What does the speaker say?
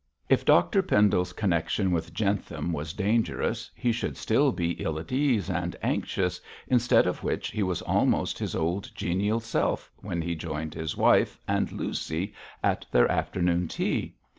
If Dr Pendle's connection with Jentham was dangerous he should still be ill at ease and anxious, instead of which he was almost his old genial self when he joined his wife and Lucy at their afternoon tea.